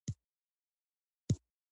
که موږ بې اتفاقه وو نو تل به غلامان وو.